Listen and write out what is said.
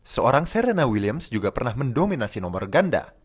seorang serena williams juga pernah mendominasi nomor ganda